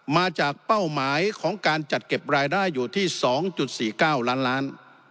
เป้าหมายของการจัดเก็บรายได้อยู่ที่๒๔๙ล้านล้าน